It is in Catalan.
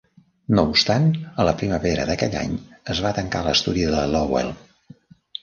No obstant, a la primavera d'aquell any es va tancar l'estudi de Lowell.